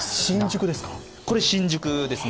これ、新宿ですね。